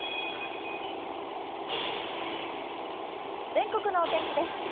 全国のお天気です。